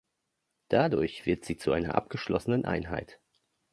Dadurch wird sie zu einer abgeschlossenen Einheit.